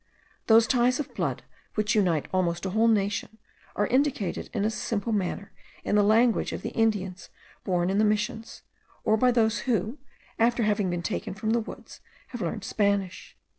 Those ties of blood which unite almost a whole nation, are indicated in a simple manner in the language of the Indians born in the Missions, or by those who, after having been taken from the woods, have learned Spanish.